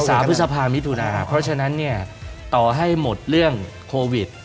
พฤษภามิถุนาเพราะฉะนั้นเนี่ยต่อให้หมดเรื่องโควิด